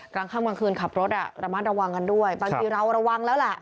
กลางค่ำกลางคืนขับรถระมัดระวังกันด้วยบางทีเราระวังแล้วแหละ